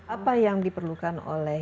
apa yang diperlukan oleh